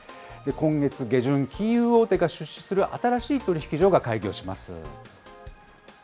今月下旬、金融大手が出資する新しい取引所が開業します。